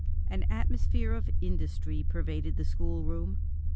An atmosphere of industry pervaded the schoolroom.